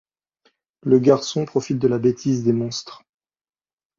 Le garçon profite de la bêtise des monstres.